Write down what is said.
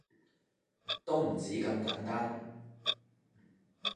都唔止咁簡單